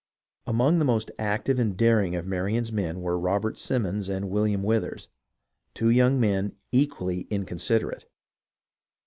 Among the most active and daring of Marion's men were Robert Simons and William Withers, two young men equally inconsiderate.